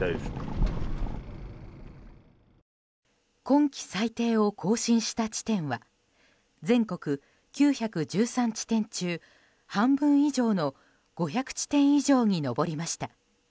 今季最低を更新した地点は全国９１３地点中、半分以上の５００地点以上に上りました。